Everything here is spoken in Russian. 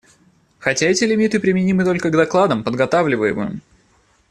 Хотя эти лимиты применимы только к докладам, подготавливаемым.